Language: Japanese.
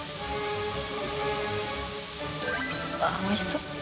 あっおいしそう。